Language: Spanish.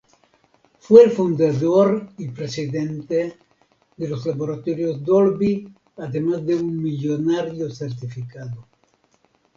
Fue el fundador y presidente de los Laboratorios Dolby, además de un millonario certificado.